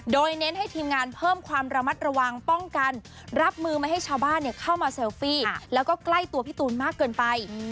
โดยเน้นให้ทีมงานเพิ่มความระมัดระวังป้องกันรับมือไม่ให้ชาวบ้านเข้ามาเซลฟี่แล้วก็ใกล้ตัวพี่ตูนมากเกินไป